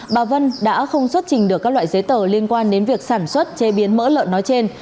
bà vân đã không xuất trình được các loại giấy tờ liên quan đến việc sản xuất chế biến mỡ lợn nói trên